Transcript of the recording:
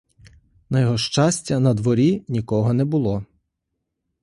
На його щастя на дворі нікого не було.